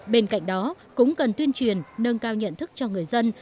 bên cạnh đó cũng cần tuyên truyền nâng cao nhận thức cho người dân